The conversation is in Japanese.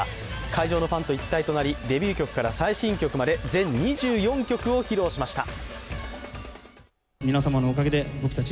会場のファンと一体となり、デビュー曲から最新曲まで全２４曲を披露しました。